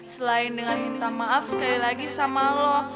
selain dengan minta maaf sekali lagi sama allah